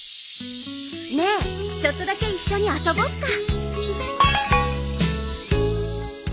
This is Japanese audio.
ねえちょっとだけ一緒に遊ぼっか。